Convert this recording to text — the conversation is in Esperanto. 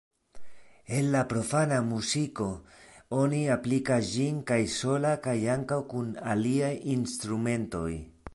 En la profana muziko oni aplikas ĝin kaj sola kaj ankaŭ kun aliaj instrumentoj.